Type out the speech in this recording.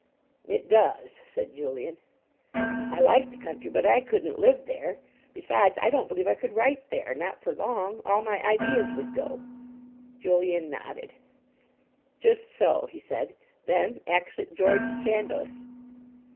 "It does," said Julian. "I like the country, but I couldn't live there. Besides, I don't believe I could write there—not for long. All my ideas would go." Julian nodded. "Just so," he said. "Then exit George Chandos."